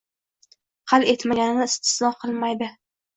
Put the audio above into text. Hal etilmaganini istisno qilmaydi.